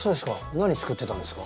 何作ってたんですか？